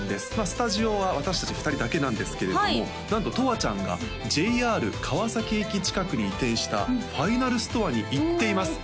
スタジオは私達２人だけなんですけれどもなんととわちゃんがＪＲ川崎駅近くに移転したｆｉｎａｌＳＴＯＲＥに行っています